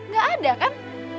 gak ada kan